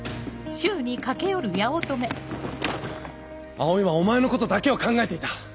葵はお前のことだけを考えていた。